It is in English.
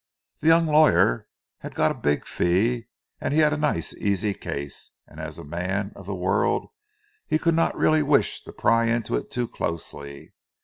The young lawyer had got a big fee, and he had a nice easy case; and as a man of the world, he could not really wish to pry into it too closely.